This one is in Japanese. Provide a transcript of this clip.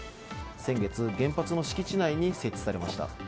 先月、原発の敷地内に設置されました。